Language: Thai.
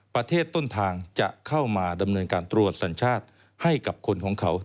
ประเทศต้นทางจะเข้ามาดำเนินการตรวจสัญชาติให้กับคนของเขา